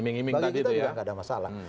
bagi kita tidak ada masalah